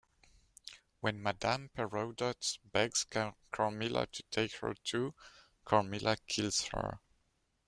When Madame Perrodot begs Carmilla to take her too, Carmilla kills her.